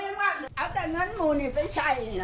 เอาแต่เงินมูนี่ไปใช่เนี่ย